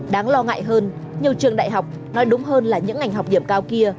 đáng lo ngại hơn nhiều trường đại học nói đúng hơn là những ngành học điểm cao kia